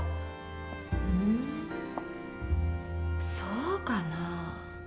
うんそうかな？